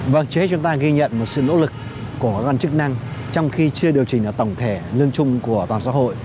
vâng trước hết chúng ta ghi nhận một sự nỗ lực của các con chức năng trong khi chưa điều chỉnh tổng thể lương chung của toàn xã hội